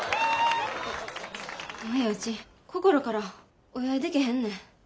何やうち心からお祝いできへんねん。